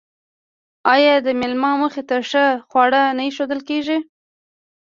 آیا د میلمه مخې ته ښه خواړه نه ایښودل کیږي؟